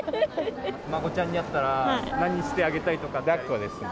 孫ちゃんに会ったら何してあだっこですね。